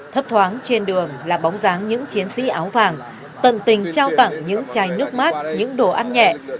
thấp thoáng trên đường là bóng dáng những chiến sĩ áo vàng tận tình trao tặng những chai nước mát những đồ ăn nhẹ